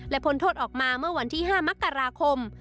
พ้นโทษออกมาเมื่อวันที่๕มกราคม